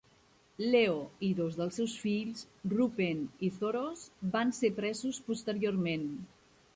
Leo i dos dels seus fills, Roupen i Thoros, van ser presos posteriorment.